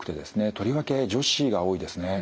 とりわけ女子が多いですね。